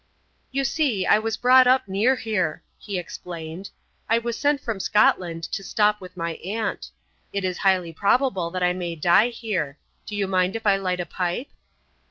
"You see, I was brought up near here," he explained. "I was sent from Scotland to stop with my aunt. It is highly probable that I may die here. Do you mind if I light a pipe?"